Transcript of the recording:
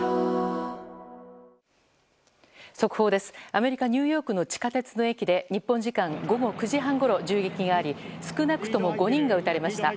アメリカ・ニューヨークの地下鉄の駅で日本時間午後９時半ごろ銃撃があり少なくとも５人が撃たれました。